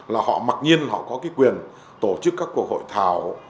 là họ mặc nhiên có quyền tổ chức các cuộc hội thảo